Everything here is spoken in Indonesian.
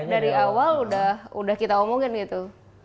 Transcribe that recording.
dari awal udah kita omongin gitu